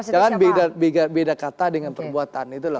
jangan beda kata dengan perbuatan itu loh